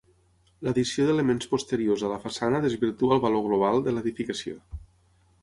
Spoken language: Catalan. L'addició d'elements posteriors a la façana desvirtua el valor global de l'edificació.